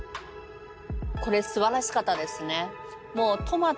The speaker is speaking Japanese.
これすばらしかったですね